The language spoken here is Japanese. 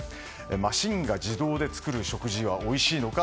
マシンが自動で作る食事はおいしいのか。